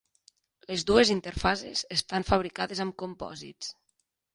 Les dues interfases estan fabricades amb compòsits.